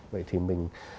vậy thì mình